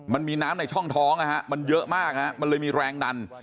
มันมีน้ำในช่องท้องมันเยอะมากมันเลยมีแรงดัน